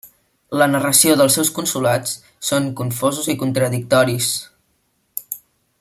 La narració dels seus consolats són confosos i contradictoris.